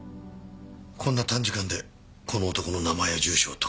こんな短時間でこの男の名前や住所を特定するとは。